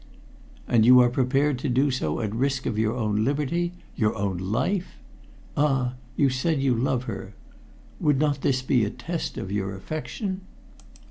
"And you are prepared to do so at risk of your own liberty your own life? Ah! you said you love her. Would not this be a test of your affection?"